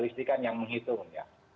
listikan yang menghitungnya